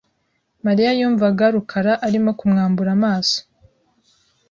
Mariya yumvaga rukara arimo kumwambura amaso .